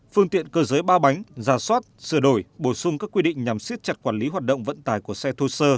phương tiện cơ giới ba bánh giả soát sửa đổi bổ sung các quy định nhằm siết chặt quản lý hoạt động vận tải của xe thô sơ